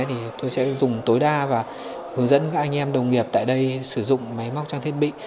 thì tôi sẽ dùng tối đa và hướng dẫn các anh em đồng nghiệp tại đây sử dụng máy móc trang thiết bị